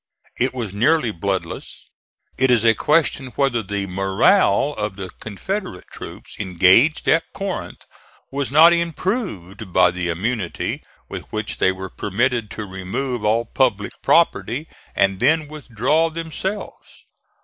It was nearly bloodless. It is a question whether the MORALE of the Confederate troops engaged at Corinth was not improved by the immunity with which they were permitted to remove all public property and then withdraw themselves.